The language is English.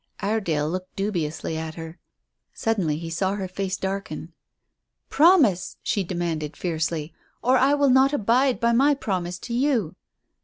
Iredale looked dubiously at her. Suddenly he saw her face darken. "Promise!" she demanded almost fiercely, "or I will not abide by my promise to you."